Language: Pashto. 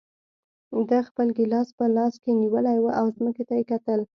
ده خپل ګیلاس په لاس کې نیولی و او ځمکې ته یې کتل.